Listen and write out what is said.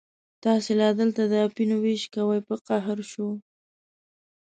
تاسې لا دلته د اپینو وېش کوئ، په قهر شو.